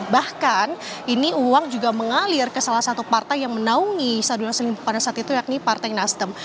bahkan ini uang juga mengalir ke salah satu partai yang menaungi sarul yassin lim pada saat itu yakni partai nasdem